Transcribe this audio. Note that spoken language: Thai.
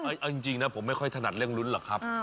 เอาจริงนะผมไม่ค่อยถนัดเรื่องลุ้นหรอกครับ